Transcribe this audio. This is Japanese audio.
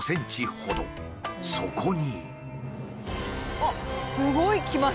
そこに。